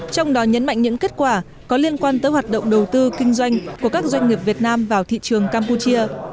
trong đó nhấn mạnh những kết quả có liên quan tới hoạt động đầu tư kinh doanh của các doanh nghiệp việt nam vào thị trường campuchia